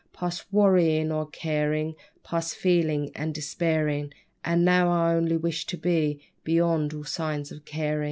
_Past wearyin' or carin', Past feelin' and despairin'; And now I only wish to be Beyond all signs of carin'.